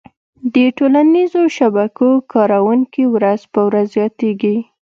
د ټولنیزو شبکو کارونکي ورځ په ورځ زياتيږي